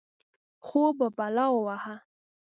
خوب په بلا ووهه.